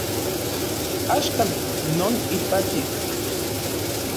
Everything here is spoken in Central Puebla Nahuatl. Axkan non ipati